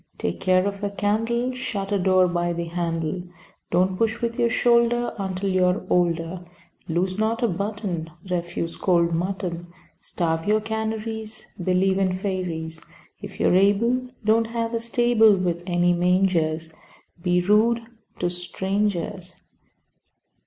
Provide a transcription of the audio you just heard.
Take care of a candle. Shut a door by the handle, Don't push with your shoulder Until you are older. Lose not a button. Refuse cold mutton. Starve your canaries. Believe in fairies. If you are able, Don't have a stable With any mangers. Be rude to strangers.